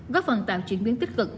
góp phần tạo chuyển biến tích cực